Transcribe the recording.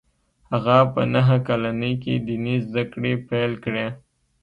هغه په نهه کلنۍ کې ديني زده کړې پیل کړې